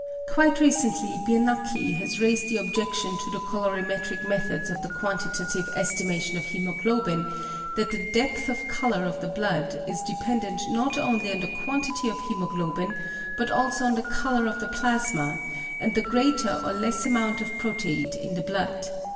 Quite recently Biernacki has raised the objection to the colorimetric methods of the quantitative estimation of hæmoglobin, that the depth of colour of the blood is dependent not only on the quantity of hæmoglobin but also on the colour of the plasma, and the greater or less amount of proteid in the blood.